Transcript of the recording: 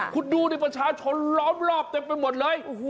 คุณดูดิประชาชนล้อมรอบเต็มไปหมดเลย